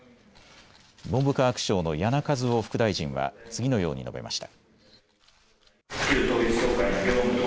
文部科学省の簗和生副大臣は次のように述べました。